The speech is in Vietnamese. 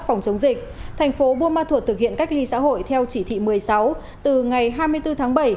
phòng chống dịch tp bumathur thực hiện cách ly xã hội theo chỉ thị một mươi sáu từ ngày hai mươi bốn tháng bảy